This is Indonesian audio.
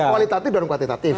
kualitatif dan kuantitatif